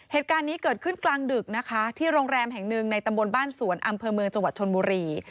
เหตุการณ์นี้เกิดขึ้นกลางดึกนะคะที่โรงแรมแห่งหนึ่งในตำบลบ้านสวนอำเภอเมืองจังหวัดชนบุรี